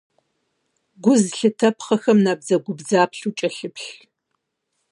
Гу зылъытапхъэхэм набдзэгубдзаплъэу кӏэлъыплъ.